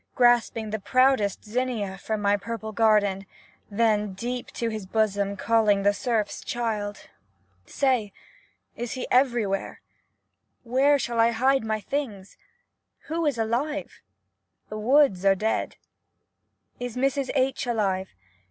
Grasping the proudest zinnia from my purple garden, — then deep to his bosom calling the serf's child ! Say, is he everywhere? Where shall I hide my things? Who is alive? The woods are dead. Is Mrs H. alive